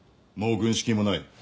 もう軍資金もない。